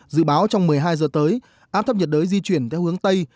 dự báo trong một mươi hai giờ tới áp thấp nhiệt đới di chuyển theo hướng tây